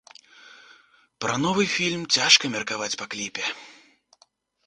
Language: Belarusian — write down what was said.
Пра новы фільм цяжка меркаваць па кліпе.